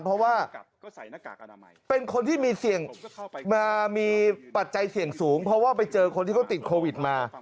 เพราะว่าเป็นคนที่มีปัจจัยเสี่ยงสูงเพราะว่าไปเจอคนที่เขาติดโควิดมา